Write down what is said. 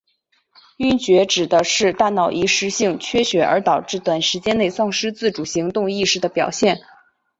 晕厥指的是大脑一时性缺血而导致短时间内丧失自主行动意识的表现。